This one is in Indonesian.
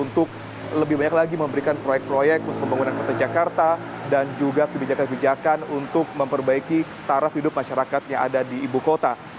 jadi lebih banyak lagi memberikan proyek proyek untuk pembangunan kota jakarta dan juga kebijakan kebijakan untuk memperbaiki taraf hidup masyarakat yang ada di ibu kota